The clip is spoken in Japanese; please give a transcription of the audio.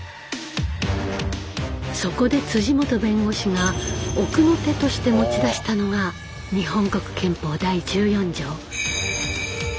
そこで本弁護士が奥の手として持ち出したのが日本国憲法第１４条。